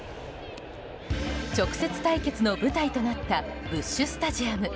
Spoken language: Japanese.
直接対決の舞台となったブッシュ・スタジアム。